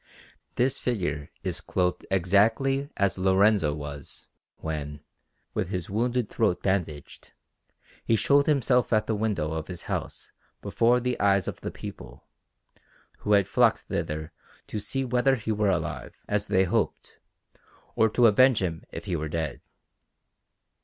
This figure is clothed exactly as Lorenzo was, when, with his wounded throat bandaged, he showed himself at the window of his house before the eyes of the people, who had flocked thither to see whether he were alive, as they hoped, or to avenge him if he were dead.